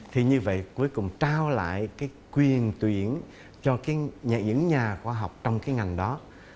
thì như vậy cuối cùng trao lại cái quyền tuyển cho những nhà khoa học trong cái ngành đó